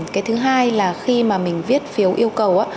cái thứ hai là khi mà mình viết phiếu yêu cầu